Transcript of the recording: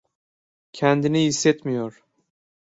Kendini iyi hissetmiyor.